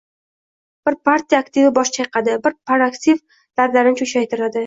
Bir partiya aktivi bosh chayqadi. Bir partaktiv lablarini cho‘chchaytirdi.